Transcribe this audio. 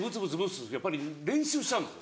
やっぱり練習しちゃうんです。